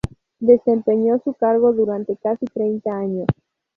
Desempeñó su cargo durante casi treinta años.